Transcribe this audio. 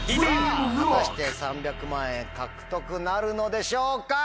果たして３００万円獲得なるのでしょうか？